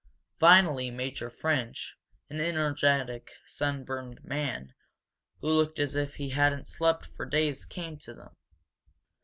Finally Major French, an energetic, sunburned man, who looked as if he hadn't slept for days, came to them.